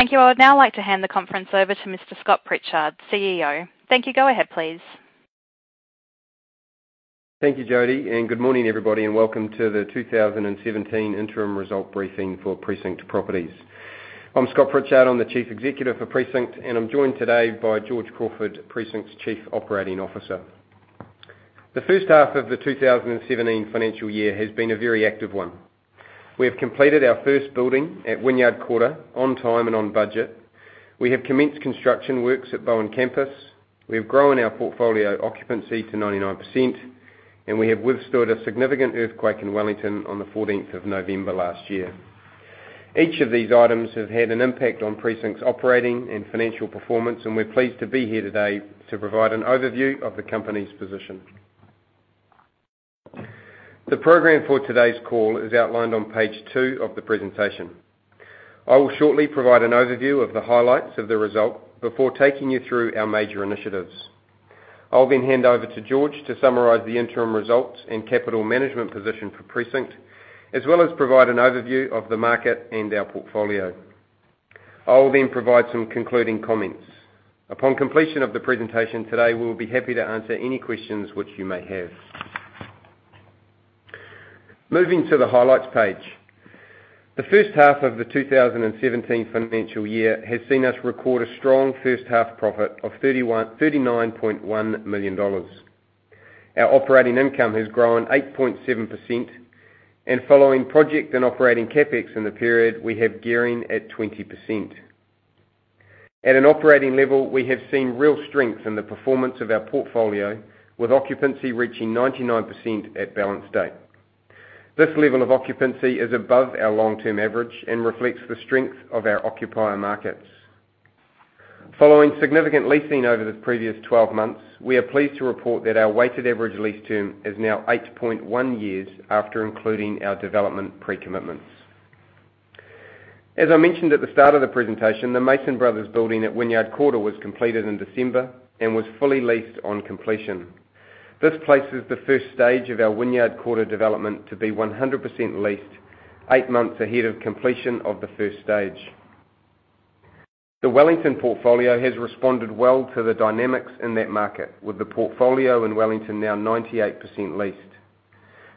Thank you. I would now like to hand the conference over to Mr. Scott Pritchard, CEO. Thank you. Go ahead, please. Thank you, Jody. Good morning everybody. Welcome to the 2017 interim result briefing for Precinct Properties. I'm Scott Pritchard. I'm the chief executive for Precinct, and I'm joined today by George Crawford, Precinct's chief operating officer. The first half of the 2017 financial year has been a very active one. We have completed our first building at Wynyard Quarter on time and on budget. We have commenced construction works at Bowen Campus. We've grown our portfolio occupancy to 99%. We have withstood a significant earthquake in Wellington on the 14th of November last year. Each of these items have had an impact on Precinct's operating and financial performance. We're pleased to be here today to provide an overview of the company's position. The program for today's call is outlined on page two of the presentation. I will shortly provide an overview of the highlights of the result before taking you through our major initiatives. I'll hand over to George to summarize the interim results and capital management position for Precinct. As well as provide an overview of the market and our portfolio. I'll provide some concluding comments. Upon completion of the presentation today, we'll be happy to answer any questions which you may have. Moving to the highlights page. The first half of the 2017 financial year has seen us record a strong first half profit of 39.1 million dollars. Our operating income has grown 8.7%. Following project and operating CapEx in the period, we have gearing at 20%. At an operating level, we have seen real strength in the performance of our portfolio, with occupancy reaching 99% at balance date. This level of occupancy is above our long-term average. Reflects the strength of our occupier markets. Following significant leasing over the previous 12 months, we are pleased to report that our weighted average lease term is now 8.1 years after including our development pre-commitments. As I mentioned at the start of the presentation, the Mason Brothers building at Wynyard Quarter was completed in December. Was fully leased on completion. This places the 1st stage of our Wynyard Quarter development to be 100% leased, eight months ahead of completion of the 1st stage. The Wellington portfolio has responded well to the dynamics in that market, with the portfolio in Wellington now 98% leased.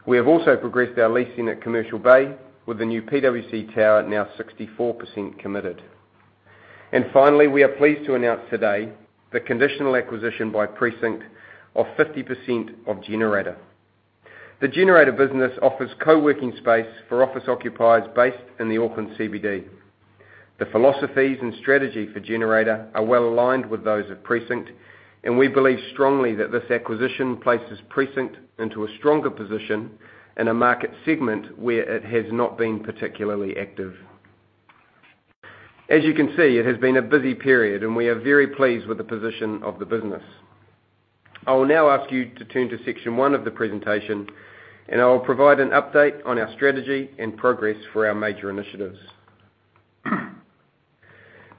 We have also progressed our leasing at Commercial Bay with the new PwC Tower now 64% committed. Finally, we are pleased to announce today the conditional acquisition by Precinct of 50% of Generator. The Generator business offers co-working space for office occupiers based in the Auckland CBD. The philosophies and strategy for Generator are well-aligned with those of Precinct, and we believe strongly that this acquisition places Precinct into a stronger position in a market segment where it has not been particularly active. As you can see, it has been a busy period, and we are very pleased with the position of the business. I will now ask you to turn to section one of the presentation, and I will provide an update on our strategy and progress for our major initiatives.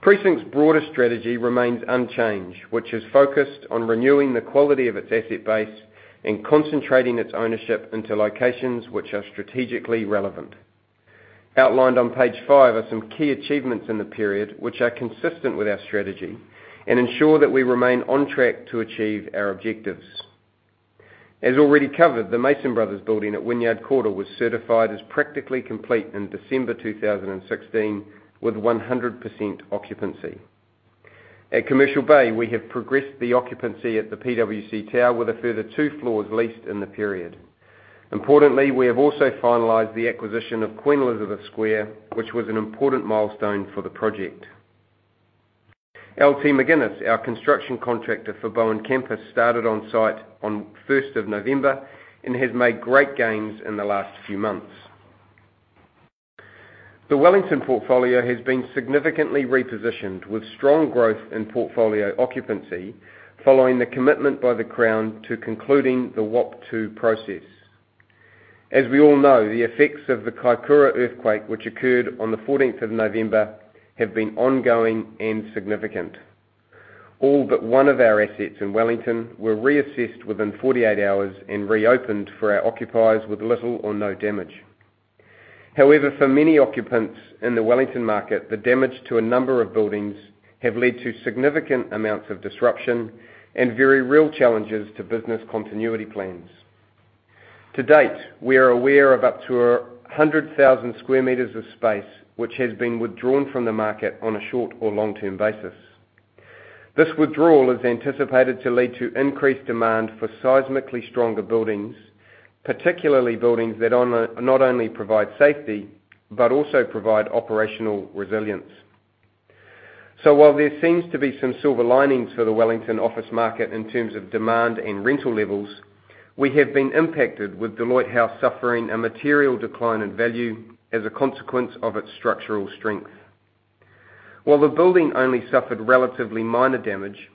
Precinct's broader strategy remains unchanged, which is focused on renewing the quality of its asset base and concentrating its ownership into locations which are strategically relevant. Outlined on page five are some key achievements in the period which are consistent with our strategy and ensure that we remain on track to achieve our objectives. As already covered, the Mason Brothers building at Wynyard Quarter was certified as practically complete in December 2016 with 100% occupancy. At Commercial Bay, we have progressed the occupancy at the PwC tower with a further two floors leased in the period. Importantly, we have also finalized the acquisition of Queen Elizabeth Square, which was an important milestone for the project. LT McGuinness, our construction contractor for Bowen Campus, started on site on the 1st of November and has made great gains in the last few months. The Wellington portfolio has been significantly repositioned with strong growth in portfolio occupancy following the commitment by the Crown to concluding the WAP II process. As we all know, the effects of the Kaikoura earthquake, which occurred on the 14th of November, have been ongoing and significant. All but one of our assets in Wellington were reassessed within 48 hours and reopened for our occupiers with little or no damage. For many occupants in the Wellington market, the damage to a number of buildings have led to significant amounts of disruption and very real challenges to business continuity plans. To date, we are aware of up to 100,000 sq m of space which has been withdrawn from the market on a short or long-term basis. This withdrawal is anticipated to lead to increased demand for seismically stronger buildings, particularly buildings that not only provide safety but also provide operational resilience. While there seems to be some silver linings for the Wellington office market in terms of demand and rental levels, we have been impacted with Deloitte House suffering a material decline in value as a consequence of its structural strength. While the building only suffered relatively minor damage,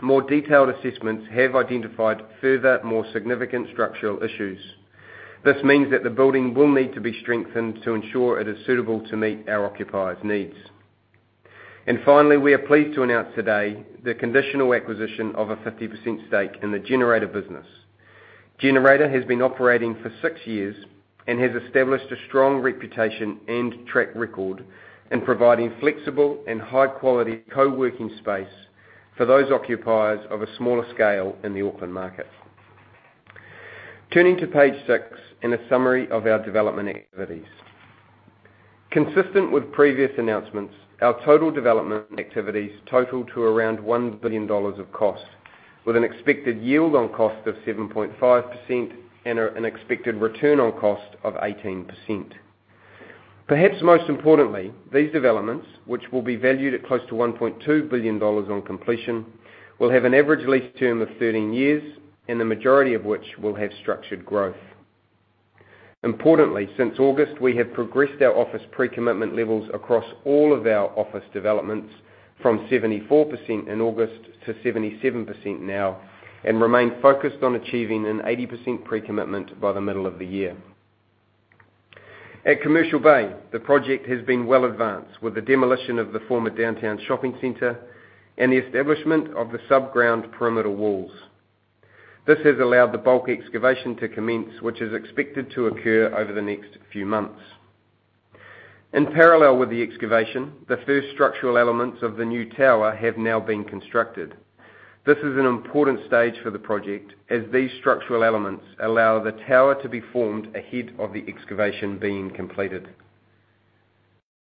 more detailed assessments have identified further, more significant structural issues. This means that the building will need to be strengthened to ensure it is suitable to meet our occupiers' needs. Finally, we are pleased to announce today the conditional acquisition of a 50% stake in the Generator business. Generator has been operating for six years and has established a strong reputation and track record in providing flexible and high-quality co-working space for those occupiers of a smaller scale in the Auckland market. Turning to page six in a summary of our development activities. Consistent with previous announcements, our total development activities total to around 1 billion dollars of cost, with an expected yield on cost of 7.5% and an expected return on cost of 18%. Perhaps most importantly, these developments, which will be valued at close to 1.2 billion dollars on completion, will have an average lease term of 13 years, and the majority of which will have structured growth. Importantly, since August, we have progressed our office pre-commitment levels across all of our office developments from 74% in August to 77% now, and remain focused on achieving an 80% pre-commitment by the middle of the year. At Commercial Bay, the project has been well advanced with the demolition of the former Downtown Shopping Center and the establishment of the sub-ground perimeter walls. This has allowed the bulk excavation to commence, which is expected to occur over the next few months. In parallel with the excavation, the first structural elements of the new tower have now been constructed. This is an important stage for the project as these structural elements allow the tower to be formed ahead of the excavation being completed.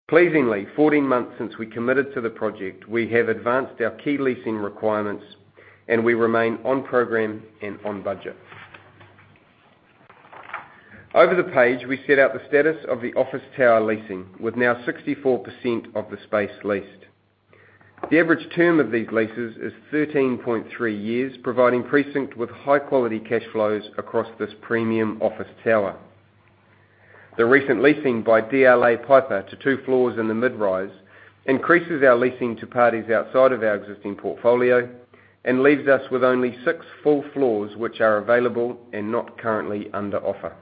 Pleasingly, 14 months since we committed to the project, we have advanced our key leasing requirements, and we remain on program and on budget. Over the page, we set out the status of the office tower leasing, with now 64% of the space leased. The average term of these leases is 13.3 years, providing Precinct with high-quality cash flows across this premium office tower. The recent leasing by DLA Piper to two floors in the mid-rise increases our leasing to parties outside of our existing portfolio and leaves us with only six full floors which are available and not currently under offer.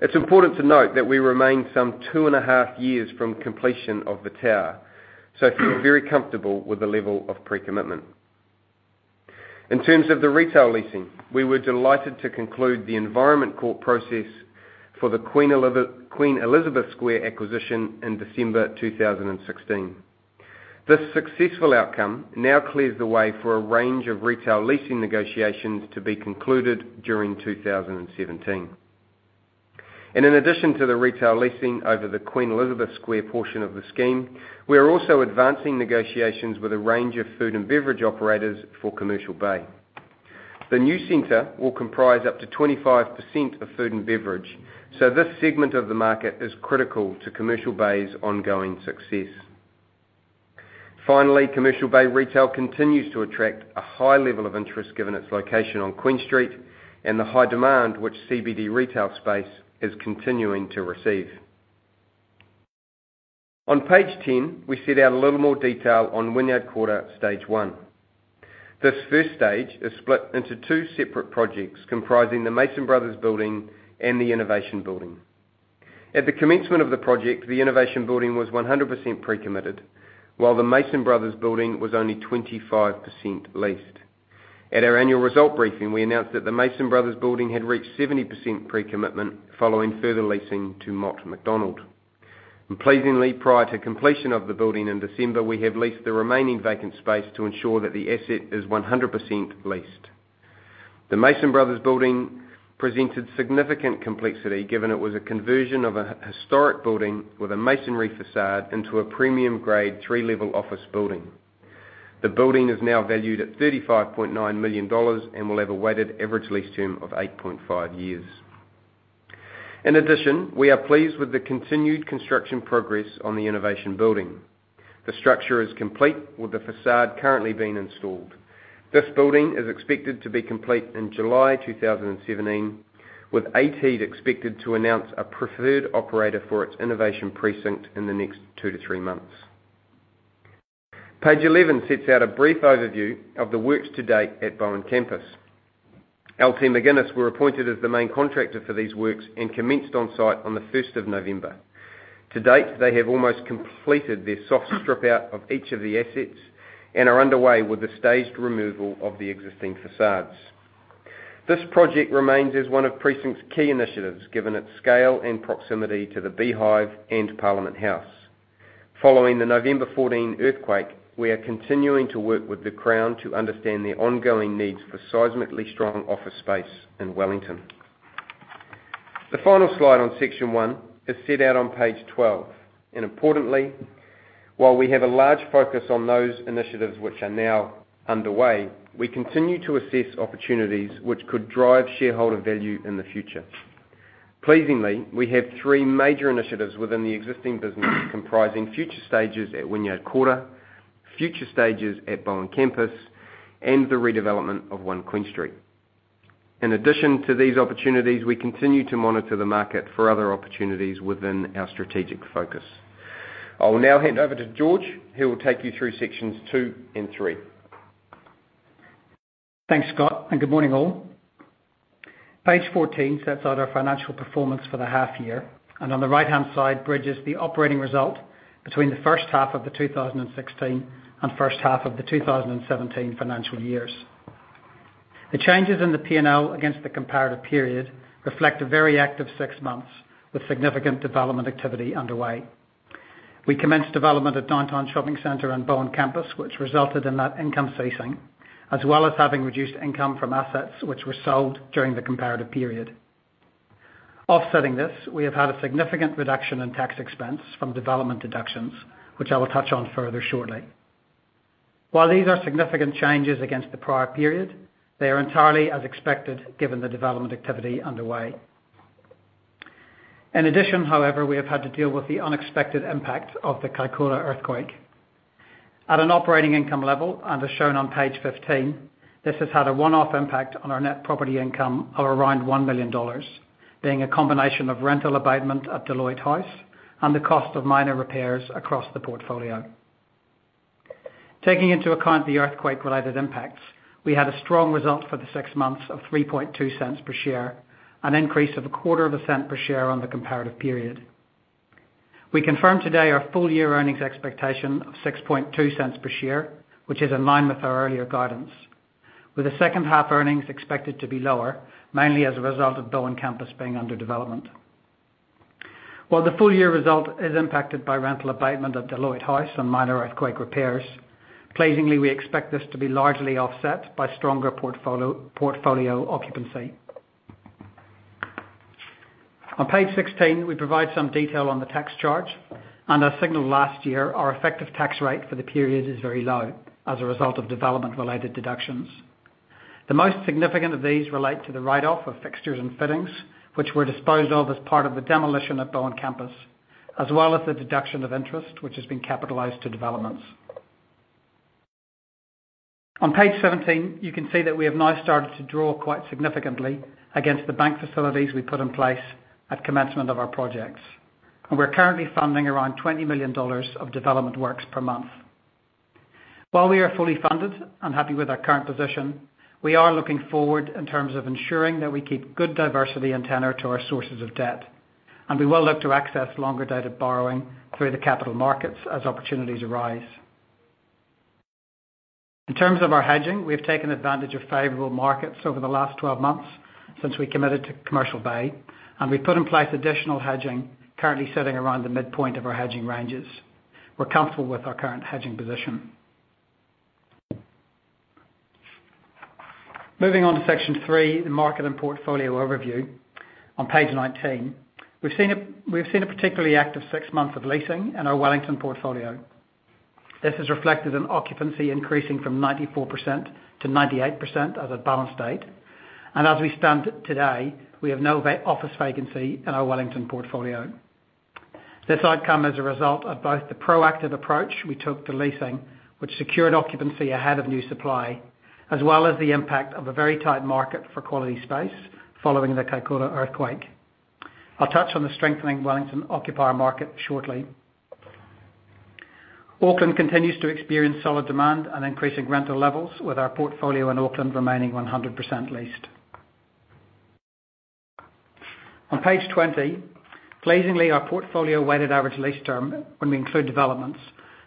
It's important to note that we remain some two and a half years from completion of the tower, so feel very comfortable with the level of pre-commitment. In terms of the retail leasing, we were delighted to conclude the Environment Court process for the Queen Elizabeth Square acquisition in December 2016. This successful outcome now clears the way for a range of retail leasing negotiations to be concluded during 2017. In addition to the retail leasing over the Queen Elizabeth Square portion of the scheme, we are also advancing negotiations with a range of food and beverage operators for Commercial Bay. The new center will comprise up to 25% of food and beverage, so this segment of the market is critical to Commercial Bay's ongoing success. Finally, Commercial Bay Retail continues to attract a high level of interest given its location on Queen Street and the high demand which CBD retail space is continuing to receive. On page 10, we set out a little more detail on Wynyard Quarter Stage One. This first stage is split into two separate projects comprising the Mason Brothers building and the Innovation building. At the commencement of the project, the Innovation building was 100% pre-committed, while the Mason Brothers building was only 25% leased. At our annual result briefing, we announced that the Mason Brothers building had reached 70% pre-commitment following further leasing to Mott MacDonald. Pleasingly, prior to completion of the building in December, we have leased the remaining vacant space to ensure that the asset is 100% leased. The Mason Brothers building presented significant complexity given it was a conversion of a historic building with a masonry façade into a premium grade 3-level office building. The building is now valued at NZD 35.9 million and will have a weighted average lease term of 8.5 years. We are pleased with the continued construction progress on the Innovation building. The structure is complete with the façade currently being installed. This building is expected to be complete in July 2017, with ATEED expected to announce a preferred operator for its innovation precinct in the next two to three months. Page 11 sets out a brief overview of the works to date at Bowen Campus. LT McGuinness were appointed as the main contractor for these works and commenced on site on the 1st of November. To date, they have almost completed their soft strip out of each of the assets and are underway with the staged removal of the existing façades. This project remains as one of Precinct's key initiatives, given its scale and proximity to the Beehive and Parliament House. Following the November 14 earthquake, we are continuing to work with the Crown to understand their ongoing needs for seismically strong office space in Wellington. The final slide on section one is set out on page 12. Importantly, while we have a large focus on those initiatives which are now underway, we continue to assess opportunities which could drive shareholder value in the future. Pleasingly, we have three major initiatives within the existing business comprising future stages at Wynyard Quarter, future stages at Bowen Campus, and the redevelopment of One Queen Street. To these opportunities, we continue to monitor the market for other opportunities within our strategic focus. I will now hand over to George, who will take you through sections two and three. Thanks, Scott, and good morning all. Page 14 sets out our financial performance for the half year. On the right-hand side, bridges the operating result between the first half of the 2016 and first half of the 2017 financial years. The changes in the P&L against the comparative period reflect a very active 6 months, with significant development activity underway. We commenced development at Downtown Shopping Center and Bowen Campus, which resulted in that income ceasing, as well as having reduced income from assets which were sold during the comparative period. Offsetting this, we have had a significant reduction in tax expense from development deductions, which I will touch on further shortly. These are significant changes against the prior period, they are entirely as expected given the development activity underway. However, we have had to deal with the unexpected impact of the Kaikoura earthquake. At an operating income level, as shown on page 15, this has had a one-off impact on our net property income of around 1 million dollars, being a combination of rental abatement at Deloitte Centre and the cost of minor repairs across the portfolio. Taking into account the earthquake-related impacts, we had a strong result for the six months of 0.032 per share, an increase of NZD 0.0025 per share on the comparative period. We confirm today our full-year earnings expectation of 0.062 per share, which is in line with our earlier guidance, with the second half earnings expected to be lower, mainly as a result of Bowen Campus being under development. While the full-year result is impacted by rental abatement at Deloitte Centre and minor earthquake repairs, pleasingly, we expect this to be largely offset by stronger portfolio occupancy. On page 16, we provide some detail on the tax charge, as signaled last year, our effective tax rate for the period is very low as a result of development-related deductions. The most significant of these relate to the write-off of fixtures and fittings, which were disposed of as part of the demolition of Bowen Campus, as well as the deduction of interest, which has been capitalized to developments. On page 17, you can see that we have now started to draw quite significantly against the bank facilities we put in place at commencement of our projects, we're currently funding around 20 million dollars of development works per month. While we are fully funded and happy with our current position, we are looking forward in terms of ensuring that we keep good diversity and tenor to our sources of debt, we will look to access longer dated borrowing through the capital markets as opportunities arise. In terms of our hedging, we have taken advantage of favorable markets over the last 12 months since we committed to Commercial Bay, we've put in place additional hedging currently sitting around the midpoint of our hedging ranges. We're comfortable with our current hedging position. Moving on to section three, the market and portfolio overview. On page 19, we've seen a particularly active six months of leasing in our Wellington portfolio. This is reflected in occupancy increasing from 94% to 98% as at balance date. As we stand today, we have no office vacancy in our Wellington portfolio. This outcome is a result of both the proactive approach we took to leasing, which secured occupancy ahead of new supply, as well as the impact of a very tight market for quality space following the Kaikoura earthquake. I'll touch on the strengthening Wellington occupier market shortly. Auckland continues to experience solid demand and increasing rental levels, with our portfolio in Auckland remaining 100% leased. On page 20, pleasingly, our portfolio weighted average lease term, when we include developments,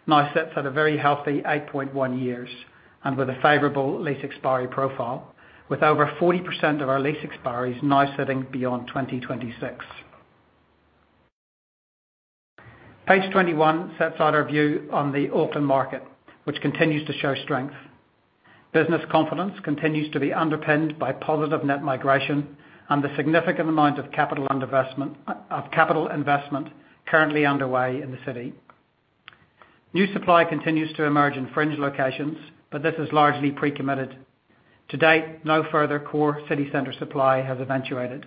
now sits at a very healthy 8.1 years with a favorable lease expiry profile, with over 40% of our lease expiries now sitting beyond 2026. Page 21 sets out our view on the Auckland market, which continues to show strength. Business confidence continues to be underpinned by positive net migration and the significant amount of capital investment currently underway in the city. New supply continues to emerge in fringe locations, but this is largely pre-committed. To date, no further core city center supply has eventuated.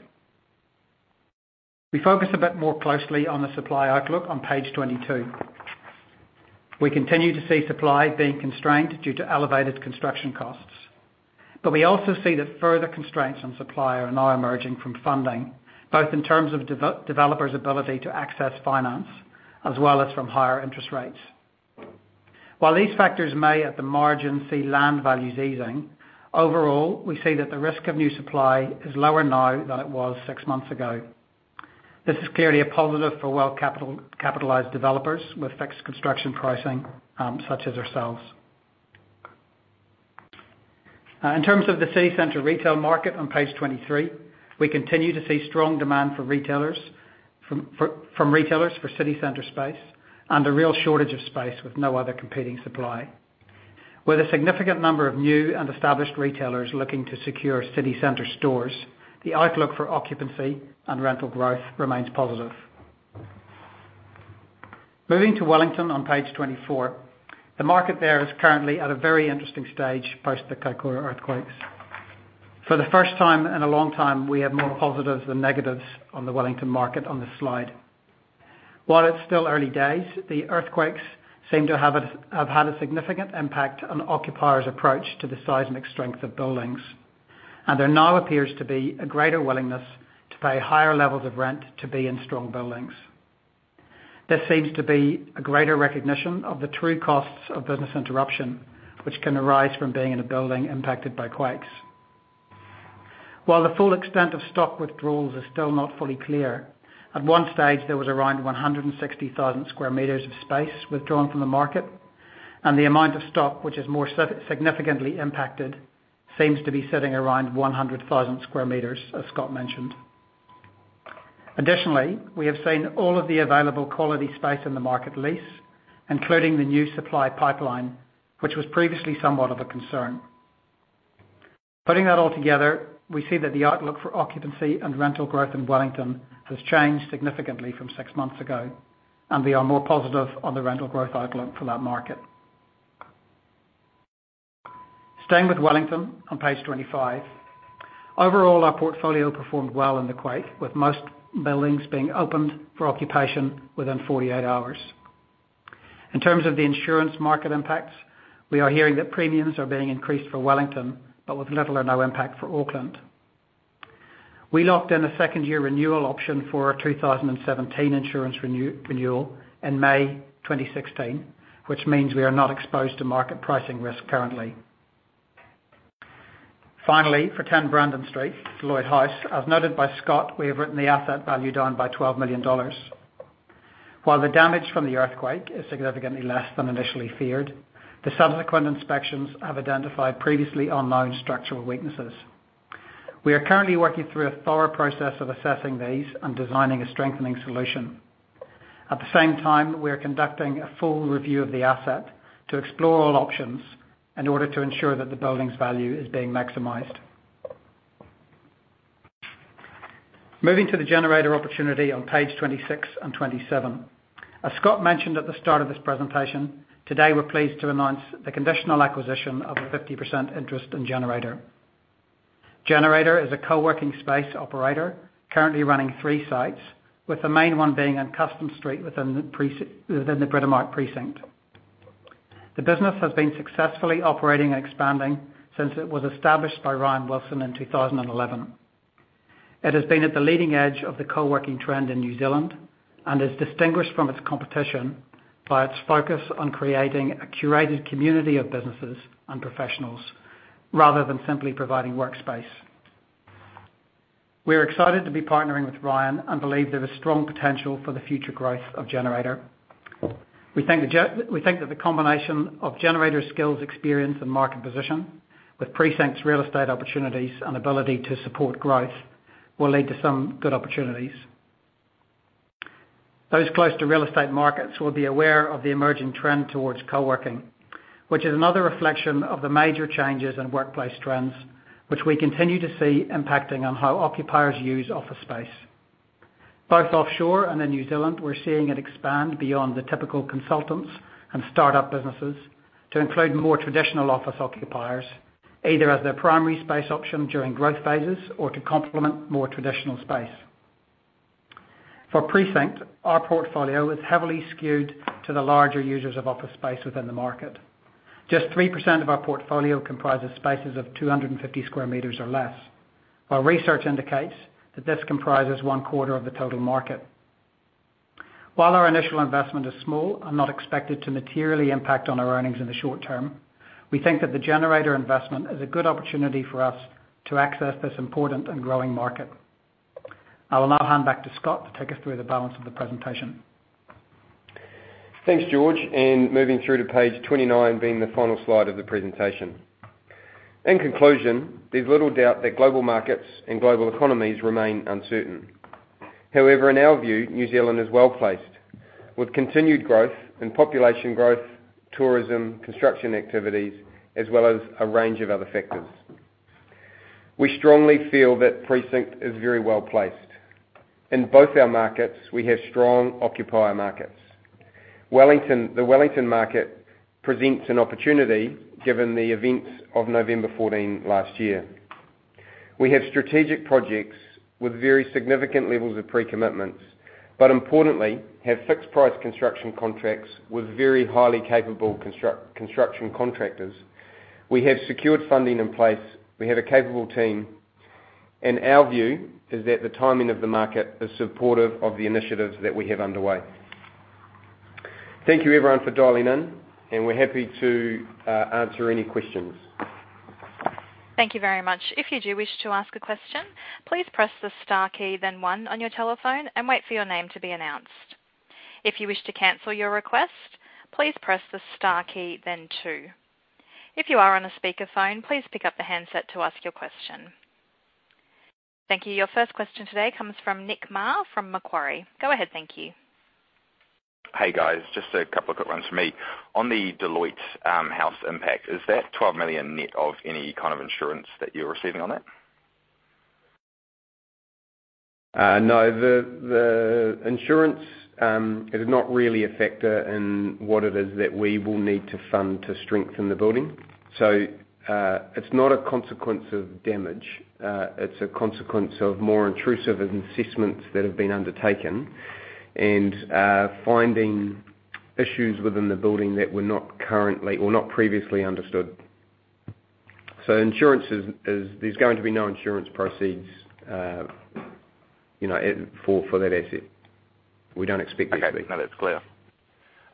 We focus a bit more closely on the supply outlook on page 22. We continue to see supply being constrained due to elevated construction costs. We also see that further constraints on supply are now emerging from funding, both in terms of developers' ability to access finance, as well as from higher interest rates. While these factors may, at the margin, see land values easing, overall, we see that the risk of new supply is lower now than it was six months ago. This is clearly a positive for well-capitalized developers with fixed construction pricing, such as ourselves. In terms of the city center retail market on page 23, we continue to see strong demand from retailers for city center space and a real shortage of space with no other competing supply. With a significant number of new and established retailers looking to secure city center stores, the outlook for occupancy and rental growth remains positive. Moving to Wellington on page 24, the market there is currently at a very interesting stage post the Kaikoura earthquakes. For the first time in a long time, we have more positives than negatives on the Wellington market on this slide. While it's still early days, the earthquakes seem to have had a significant impact on occupiers' approach to the seismic strength of buildings, and there now appears to be a greater willingness to pay higher levels of rent to be in strong buildings. There seems to be a greater recognition of the true costs of business interruption, which can arise from being in a building impacted by quakes. While the full extent of stock withdrawals is still not fully clear, at one stage, there was around 160,000 sq m of space withdrawn from the market, and the amount of stock, which is more significantly impacted, seems to be sitting around 100,000 sq m, as Scott mentioned. Additionally, we have seen all of the available quality space in the market lease, including the new supply pipeline, which was previously somewhat of a concern. Putting that all together, we see that the outlook for occupancy and rental growth in Wellington has changed significantly from six months ago, and we are more positive on the rental growth outlook for that market. Staying with Wellington, on page 25. Overall, our portfolio performed well in the quake, with most buildings being opened for occupation within 48 hours. In terms of the insurance market impacts, we are hearing that premiums are being increased for Wellington, but with little or no impact for Auckland. We locked in a second-year renewal option for our 2017 insurance renewal in May 2016, which means we are not exposed to market pricing risk currently. Finally, for 10 Brandon Street, Deloitte Centre, as noted by Scott, we have written the asset value down by 12 million dollars. While the damage from the earthquake is significantly less than initially feared, the subsequent inspections have identified previously unknown structural weaknesses. We are currently working through a thorough process of assessing these and designing a strengthening solution. At the same time, we are conducting a full review of the asset to explore all options in order to ensure that the building's value is being maximized. Moving to the Generator opportunity on page 26 and 27. As Scott mentioned at the start of this presentation, today, we're pleased to announce the conditional acquisition of a 50% interest in Generator. Generator is a co-working space operator currently running three sites, with the main one being on Custom Street within the Britomart precinct. The business has been successfully operating and expanding since it was established by Ryan Wilson in 2011. It has been at the leading edge of the co-working trend in New Zealand and is distinguished from its competition by its focus on creating a curated community of businesses and professionals rather than simply providing workspace. We are excited to be partnering with Ryan and believe there is strong potential for the future growth of Generator. We think that the combination of Generator's skills, experience, and market position with Precinct's real estate opportunities and ability to support growth will lead to some good opportunities. Those close to real estate markets will be aware of the emerging trend towards co-working, which is another reflection of the major changes in workplace trends, which we continue to see impacting on how occupiers use office space. Both offshore and in New Zealand, we're seeing it expand beyond the typical consultants and startup businesses to include more traditional office occupiers, either as their primary space option during growth phases or to complement more traditional space. For Precinct, our portfolio is heavily skewed to the larger users of office space within the market. Just 3% of our portfolio comprises spaces of 250 sq m or less, while research indicates that this comprises one-quarter of the total market. While our initial investment is small and not expected to materially impact on our earnings in the short term, we think that the Generator investment is a good opportunity for us to access this important and growing market. I will now hand back to Scott to take us through the balance of the presentation. Thanks, George, moving through to page 29, being the final slide of the presentation. In conclusion, there's little doubt that global markets and global economies remain uncertain. However, in our view, New Zealand is well-placed with continued growth in population growth, tourism, construction activities, as well as a range of other factors. We strongly feel that Precinct is very well-placed. In both our markets, we have strong occupier markets. The Wellington market presents an opportunity given the events of November 14 last year. We have strategic projects with very significant levels of pre-commitments, importantly, have fixed-price construction contracts with very highly capable construction contractors. We have secured funding in place. We have a capable team, our view is that the timing of the market is supportive of the initiatives that we have underway. Thank you, everyone, for dialing in, and we're happy to answer any questions. Thank you very much. If you do wish to ask a question, please press the star key then One on your telephone and wait for your name to be announced. If you wish to cancel your request, please press the star key then Two. If you are on a speakerphone, please pick up the handset to ask your question. Thank you. Your first question today comes from Nick Marr from Macquarie. Go ahead. Thank you. Hey, guys. Just a couple of quick ones from me. On the Deloitte Centre impact, is that 12 million net of any kind of insurance that you're receiving on that? No. The insurance is not really a factor in what it is that we will need to fund to strengthen the building. It's not a consequence of damage. It's a consequence of more intrusive assessments that have been undertaken and finding issues within the building that were not previously understood. Insurance, there's going to be no insurance proceeds for that asset. We don't expect there to be. Okay. No, that's clear.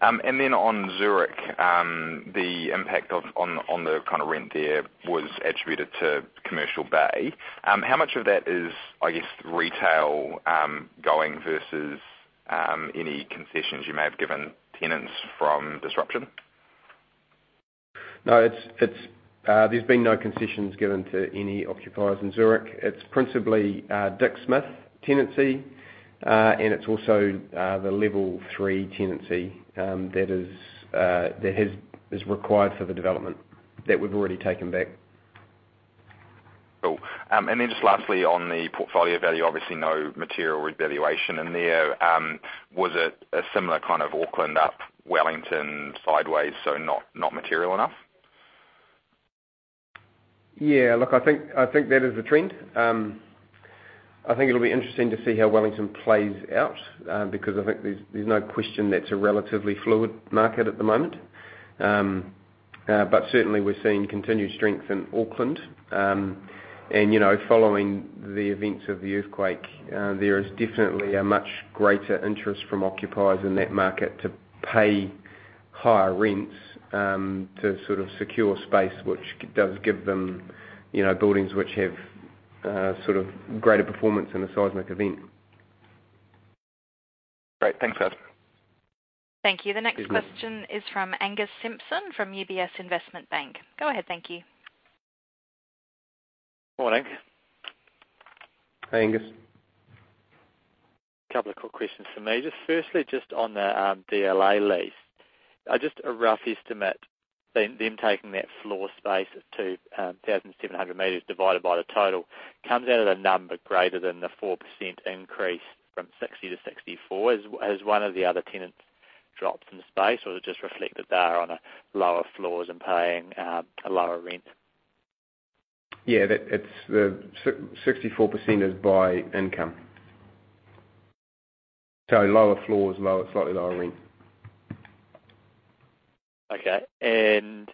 On Zurich, the impact on the rent there was attributed to Commercial Bay. How much of that is, I guess, retail going versus any concessions you may have given tenants from disruption? No, there's been no concessions given to any occupiers in Zurich. It's principally Dick Smith tenancy, and it's also the level 3 tenancy that is required for the development that we've already taken back. Cool. Just lastly, on the portfolio value, obviously no material revaluation in there. Was it a similar kind of Auckland up, Wellington sideways, so not material enough? Yeah, look, I think that is the trend. I think it'll be interesting to see how Wellington plays out, because I think there's no question that's a relatively fluid market at the moment. Certainly we're seeing continued strength in Auckland. Following the events of the earthquake, there is definitely a much greater interest from occupiers in that market to pay higher rents to secure space, which does give them buildings which have greater performance in a seismic event. Great. Thanks, Scott. Thank you. The next question is from Angus Simpson from UBS Investment Bank. Go ahead. Thank you. Morning. Hey, Angus. A couple of quick questions from me. Just firstly, just on the DLA lease. Just a rough estimate, them taking that floor space of 2,700 meters divided by the total comes out at a number greater than the 4% increase from 60%-64%. Has one of the other tenants dropped in space, or does it just reflect that they are on lower floors and paying a lower rent? Yeah, 64% is by income. Lower floors, slightly lower rent. Okay. Then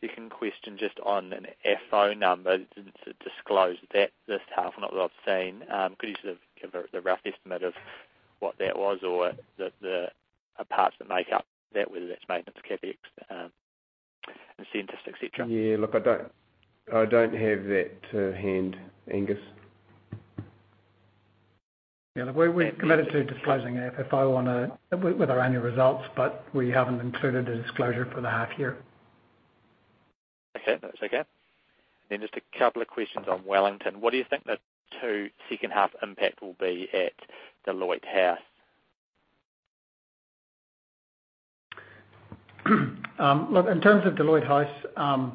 second question, just on an FFO number, didn't disclose that this half, not that I've seen. Could you sort of give a rough estimate of what that was or the parts that make up that, whether that's maintenance, CapEx, incentives, et cetera? Yeah. Look, I don't have that to hand, Angus. Yeah. We committed to disclosing FFO with our annual results, we haven't included a disclosure for the half year. Okay. That's okay. Just a couple of questions on Wellington. What do you think the two second half impact will be at Deloitte Centre? Look, in terms of Deloitte Centre,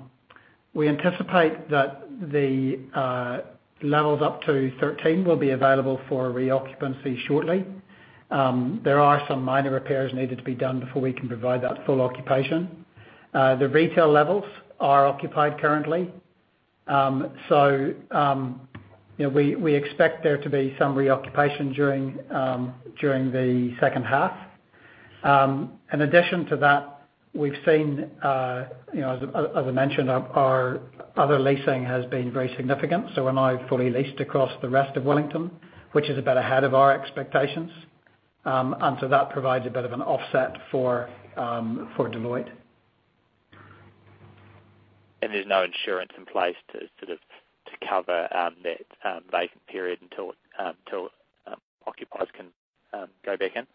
we anticipate that the levels up to 13 will be available for re-occupancy shortly. There are some minor repairs needed to be done before we can provide that full occupation. The retail levels are occupied currently. We expect there to be some reoccupation during the second half. In addition to that, we've seen, as I mentioned, our other leasing has been very significant, we're now fully leased across the rest of Wellington, which is a bit ahead of our expectations. That provides a bit of an offset for Deloitte. There's no insurance in place to cover that vacant period until occupiers can go back in?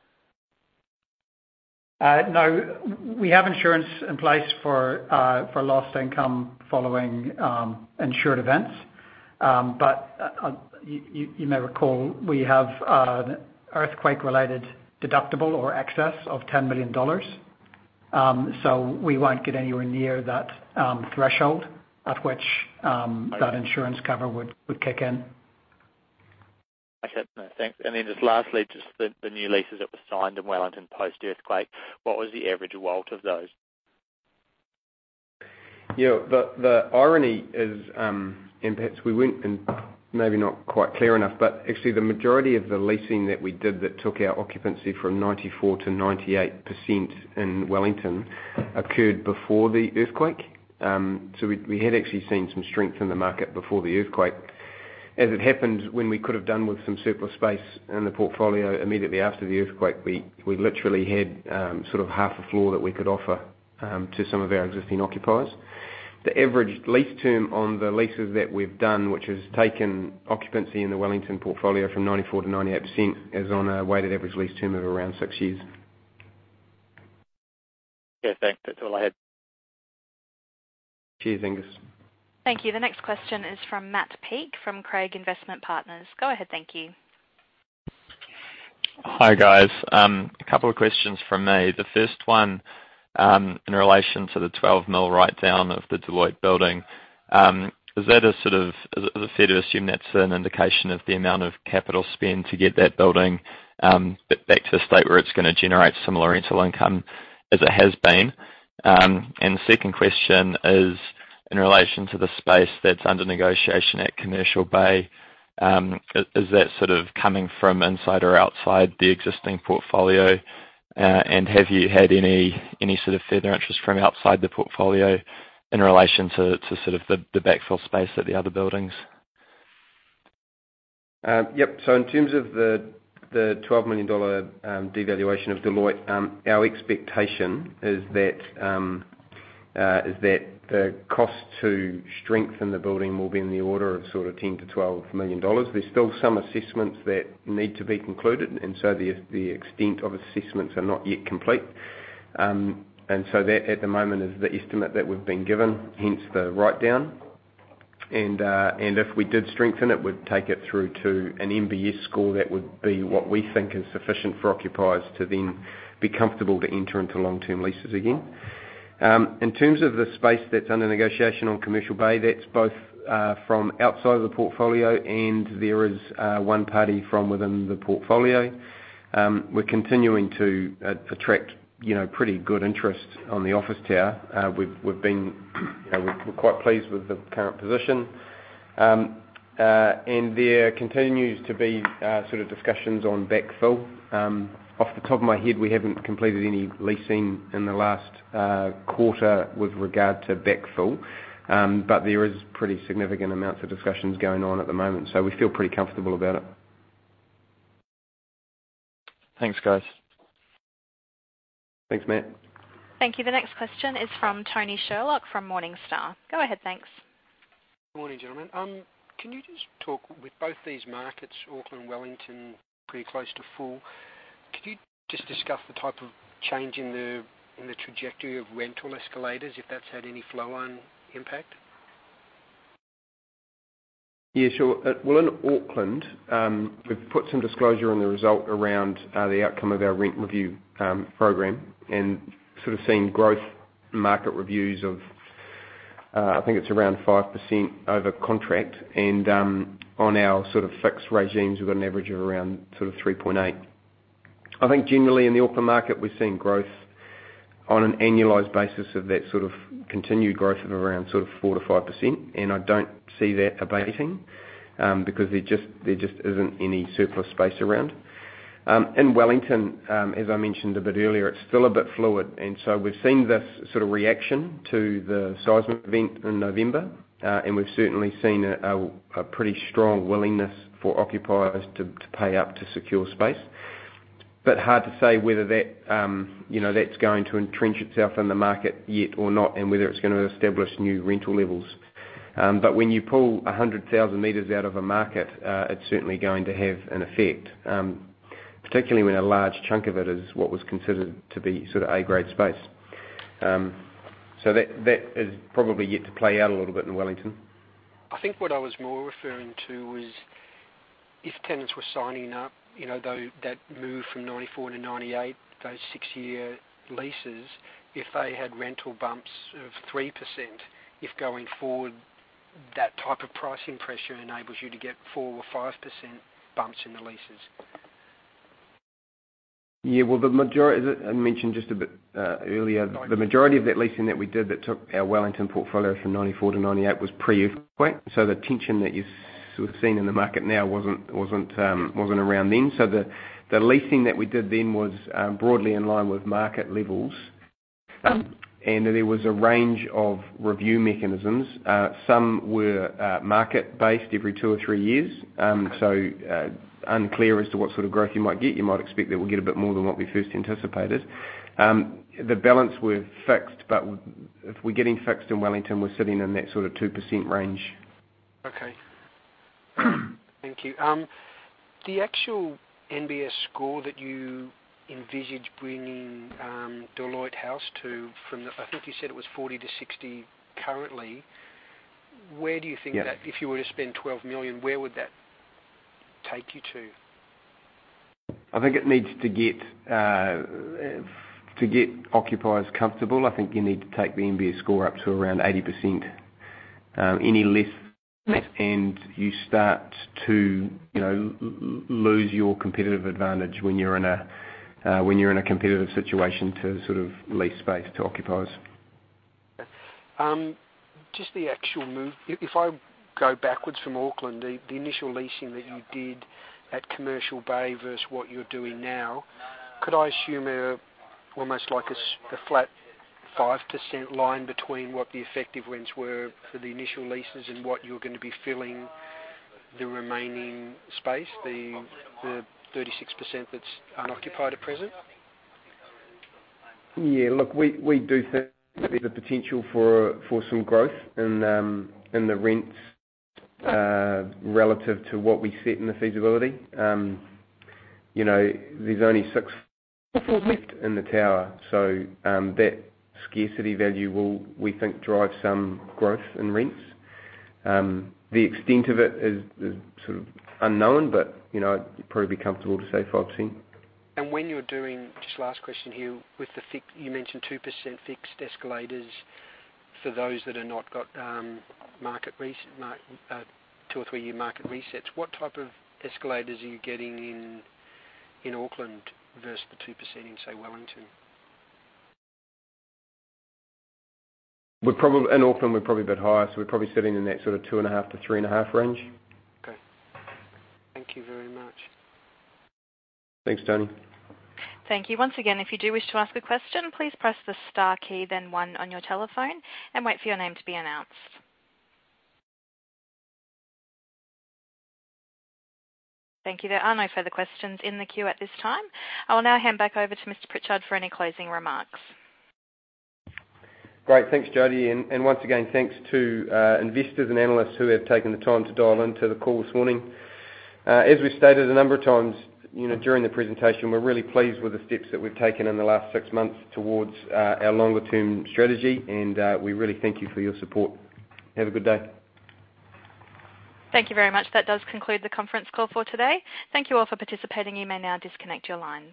No. We have insurance in place for lost income following insured events. You may recall we have an earthquake-related deductible or excess of 10 million dollars. We won't get anywhere near that threshold at which that insurance cover would kick in. Okay. No, thanks. Just lastly, just the new leases that were signed in Wellington post-earthquake, what was the average WALT of those? Yeah. The irony is, perhaps we weren't maybe not quite clear enough, actually the majority of the leasing that we did that took our occupancy from 94% to 98% in Wellington occurred before the earthquake. We had actually seen some strength in the market before the earthquake. As it happened, when we could have done with some surplus space in the portfolio immediately after the earthquake, we literally had half a floor that we could offer to some of our existing occupiers. The average lease term on the leases that we've done, which has taken occupancy in the Wellington portfolio from 94% to 98%, is on a weighted average lease term of around six years. Yeah, thanks. That's all I had. Cheers, Angus. Thank you. The next question is from Matt Peake from Craigs Investment Partners. Go ahead. Thank you. Hi, guys. A couple of questions from me. The first one, in relation to the 12 million write-down of the Deloitte Centre. Is it fair to assume that's an indication of the amount of capital spend to get that building back to the state where it's going to generate similar rental income as it has been? The second question is in relation to the space that's under negotiation at Commercial Bay. Is that coming from inside or outside the existing portfolio? Have you had any further interest from outside the portfolio in relation to the backfill space at the other buildings? Yep. In terms of the 12 million dollar devaluation of the Deloitte Centre, our expectation is that the cost to strengthen the building will be in the order of sort of 10 million-12 million dollars. There's still some assessments that need to be concluded, and so the extent of assessments are not yet complete. That at the moment is the estimate that we've been given, hence the write-down. If we did strengthen it, we'd take it through to an NBS score that would be what we think is sufficient for occupiers to then be comfortable to enter into long-term leases again. In terms of the space that's under negotiation on Commercial Bay, that's both from outside of the portfolio and there is one party from within the portfolio. We're continuing to attract pretty good interest on the office tower. We're quite pleased with the current position. There continues to be sort of discussions on backfill. Off the top of my head, we haven't completed any leasing in the last quarter with regard to backfill. There is pretty significant amounts of discussions going on at the moment, so we feel pretty comfortable about it. Thanks, guys. Thanks, Matt. Thank you. The next question is from Tony Sherlock from Morningstar. Go ahead, thanks. Good morning, gentlemen. With both these markets, Auckland and Wellington, pretty close to full, could you just discuss the type of change in the trajectory of rental escalators, if that's had any flow-on impact? Yeah, sure. Well, in Auckland, we've put some disclosure on the result around the outcome of our rent review program and seen growth market reviews of, I think it's around 5% over contract. On our fixed regimes, we've got an average of around 3.8%. I think generally in the Auckland market, we're seeing growth on an annualized basis of that continued growth of around 4%-5%. I don't see that abating, because there just isn't any surplus space around. In Wellington, as I mentioned a bit earlier, it's still a bit fluid. We've seen this reaction to the seismic event in November, and we've certainly seen a pretty strong willingness for occupiers to pay up to secure space. Hard to say whether that's going to entrench itself in the market yet or not, and whether it's going to establish new rental levels. When you pull 100,000 meters out of a market, it's certainly going to have an effect, particularly when a large chunk of it is what was considered to be sort of A grade space. That is probably yet to play out a little bit in Wellington. I think what I was more referring to was if tenants were signing up, that move from 94% to 98%, those 6-year leases, if they had rental bumps of 3%, if going forward, that type of pricing pressure enables you to get 4% or 5% bumps in the leases. I mentioned just a bit earlier, the majority of that leasing that we did that took our Wellington portfolio from 94% to 98% was pre-earthquake. The tension that you're seeing in the market now wasn't around then. The leasing that we did then was broadly in line with market levels. There was a range of review mechanisms. Some were market-based every two or three years. Unclear as to what sort of growth you might get. You might expect that we'll get a bit more than what we first anticipated. The balance were fixed, but if we're getting fixed in Wellington, we're sitting in that sort of 2% range. Okay. Thank you. The actual NBS score that you envisage bringing Deloitte Centre to from, I think you said it was 40-60 currently. Yeah. If you were to spend 12 million, where would that take you to? To get occupiers comfortable, I think you need to take the NBS score up to around 80%. Any less and you start to lose your competitive advantage when you're in a competitive situation to lease space to occupiers. Okay. If I go backwards from Auckland, the initial leasing that you did at Commercial Bay versus what you're doing now, could I assume almost like a flat 5% line between what the effective rents were for the initial leases and what you're going to be filling the remaining space, the 36% that's unoccupied at present? Yeah, look, we do think there's a potential for some growth in the rents relative to what we set in the feasibility. There's only six floors left in the tower. That scarcity value will, we think, drive some growth in rents. The extent of it is unknown, but I'd probably be comfortable to say 5%. Just last question here. You mentioned 2% fixed escalators for those that have not got two or three-year market resets. What type of escalators are you getting in Auckland versus the 2% in, say, Wellington? In Auckland, we're probably a bit higher, so we're probably sitting in that sort of 2.5% to 3.5% range. Okay. Thank you very much. Thanks, Tony. Thank you. Once again, if you do wish to ask a question, please press the star key then one on your telephone and wait for your name to be announced. Thank you. There are no further questions in the queue at this time. I will now hand back over to Mr. Pritchard for any closing remarks. Great. Thanks, Jody. Once again, thanks to investors and analysts who have taken the time to dial into the call this morning. As we've stated a number of times during the presentation, we're really pleased with the steps that we've taken in the last six months towards our longer term strategy, and we really thank you for your support. Have a good day. Thank you very much. That does conclude the conference call for today. Thank you all for participating. You may now disconnect your lines.